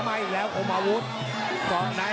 แม่ประกบในนี่แดงมีบางมิตรเลยมันจริงครับหมดยกที่๔